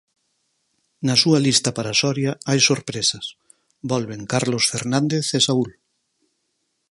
Na súa lista para Soria hai sorpresas: volven Carlos Fernández e Saúl.